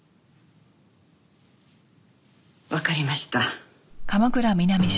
わかりました。